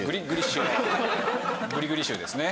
グリグリシューですね。